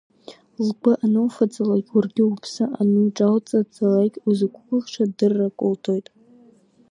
Лгәы ануфаӡалак, уаргьы уԥсы ануҿалҵаӡалак, узықәгәыӷша дыррак улҭоит.